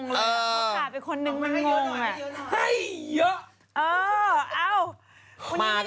ก็กลับเป็นคนนึงมันงงให้เยอะหน่อยให้เยอะหน่อยให้เยอะ